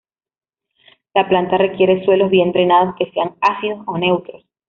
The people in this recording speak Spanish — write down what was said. La planta requiere suelos bien drenados que sean ácidos o neutros.